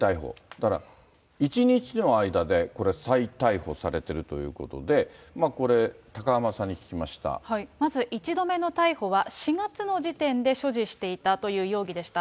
だから１日の間でこれ、再逮捕されてるということで、これ、まず１度目の逮捕は、４月の時点で所持していたという容疑でした。